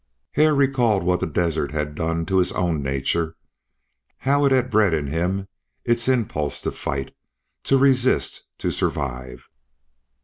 Hare recalled what the desert had done to his own nature, how it had bred in him its impulse to fight, to resist, to survive.